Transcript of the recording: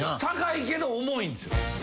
高いけど重いんですよ。